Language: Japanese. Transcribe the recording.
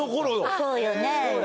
そうよね。